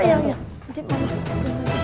ini mama om